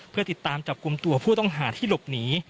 เพื่อติดตามจับกลุ่มตัวผู้ต้องหาที่หลบหนี